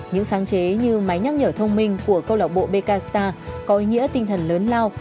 những sáng chế như máy nhắc nhở thông minh của câu lạc bộ bk sta có ý nghĩa tinh thần lớn lao